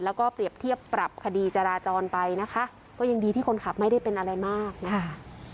แล้วก็เปรียบเทียบปรับคดีจราจรไปนะคะก็ยังดีที่คนขับไม่ได้เป็นอะไรมากนะคะ